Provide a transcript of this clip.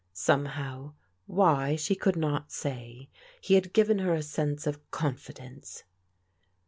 Somehow, why, she could not say, he had given her a sense of confidence.